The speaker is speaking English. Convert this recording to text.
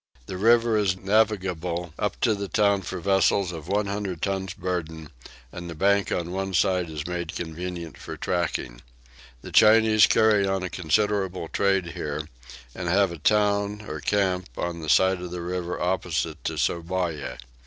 The river is navigable up to the town for vessels of 100 tons burden, and the bank on one side is made convenient for tracking. The Chinese carry on a considerable trade here, and have a town or camp on the side of the river opposite to Sourabaya.